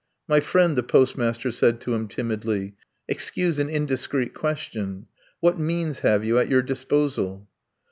"My friend," the postmaster said to him timidly, "excuse an indiscreet question: what means have you at your disposal?"